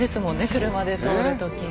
車で通る時ね。